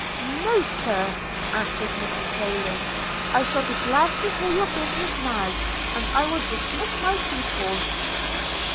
'No, Sir,' answered Mrs Rayland; 'I shall be glad to hear your business now, and I will dismiss my people.'